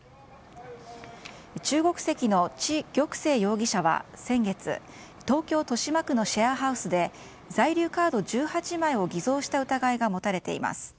中国籍のチ・ギョクセイ容疑者は先月東京・豊島区のシェアハウスで在留カード１８枚を偽造した疑いが持たれています。